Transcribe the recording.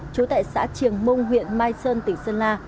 chú tại xã triềng mông huyện mai sơn tỉnh sơn la